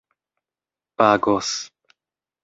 pagos